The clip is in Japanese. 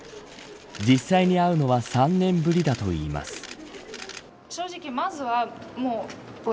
実際に会うのは３年ぶりだといいます。